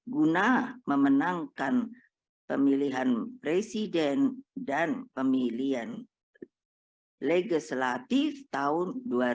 guna memenangkan pemilihan presiden dan pemilihan legislatif tahun dua ribu dua puluh empat